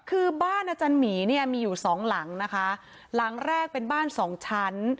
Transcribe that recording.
คือบ้านอาจารย์หมีเนี่ยมีอยู่สองหลังนะคะหลังแรกเป็นบ้านสองชั้น